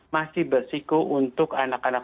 masih bersiku untuk anak anak